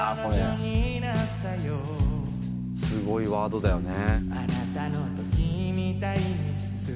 「すごいワードだよね」